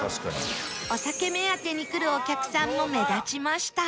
お酒目当てに来るお客さんも目立ちました